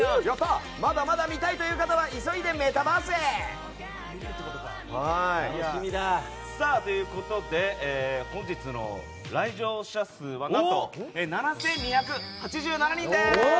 まだまだ見たいという方は急いでメタバースへ！ということで本日の来場者数は何と７２８７人です！